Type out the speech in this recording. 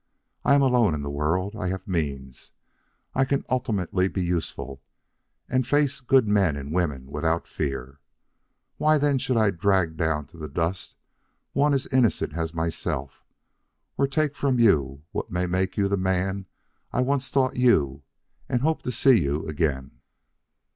I am alone in the world. I have means. I can ultimately be useful and face good men and women without fear. Why then should I drag down to the dust one as innocent as myself, or take from you what may make you the man I once thought you and hope to see you again.